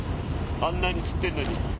あんなに釣ってんのに。